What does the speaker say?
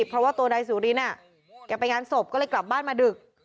เพราะว่าตัวนายสุรินแกไปงานศพก็เลยกลับบ้านมาดึก